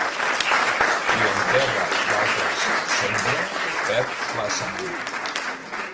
Qui en terra d'altres sembra, perd la sement.